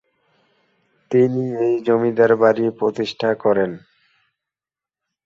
তিনি এই জমিদার বাড়ি প্রতিষ্ঠা করেন।